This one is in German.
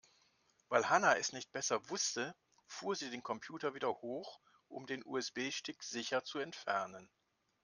Weil Hanna es nicht besser wusste, fuhr sie den Computer wieder hoch, um den USB-Stick sicher zu entfernen.